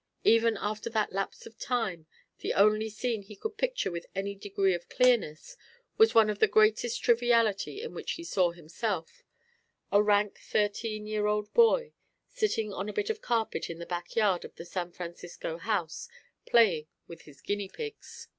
Even after that lapse of time the only scene he could picture with any degree of clearness was one of the greatest triviality in which he saw himself, a rank thirteen year old boy, sitting on a bit of carpet in the back yard of the San Francisco house playing with his guinea pigs.